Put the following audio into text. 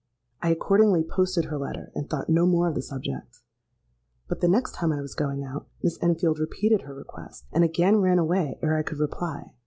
I accordingly posted her letter, and thought no more of the subject. But the next time I was going out, Miss Enfield repeated her request, and again ran away ere I could reply.